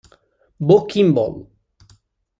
Bo Kimble